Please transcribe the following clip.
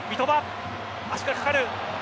足がかかる。